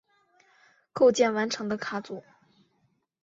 构建完成的卡组。